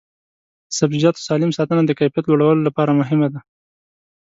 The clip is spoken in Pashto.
د سبزیجاتو سالم ساتنه د کیفیت لوړولو لپاره مهمه ده.